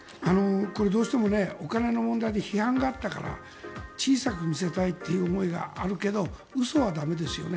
これ、どうしてもお金の問題で批判があったから小さく見せたいという思いがあるけど嘘は駄目ですよね。